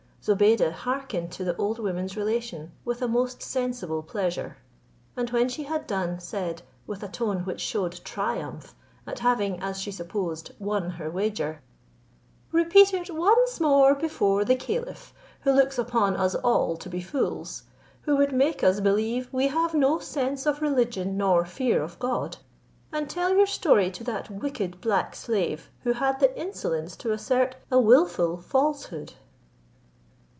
Zobeide hearkened to the old woman's relation with a most sensible pleasure; and when she had done, said, with a tone which shewed triumph at having, as she supposed, won her wager: "Repeat it once more before the caliph, who looks upon us all to be fools, would make us believe we have no sense of religion, nor fear of God; and tell your story to that wicked black slave, who had the insolence to assert a wilful falsehood."